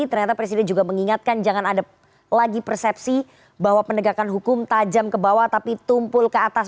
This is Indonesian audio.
ternyata presiden juga mengingatkan jangan ada lagi persepsi bahwa penegakan hukum tajam ke bawah tapi tumpul ke atas